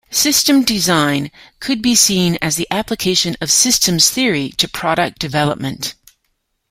Systems design could be seen as the application of systems theory to product development.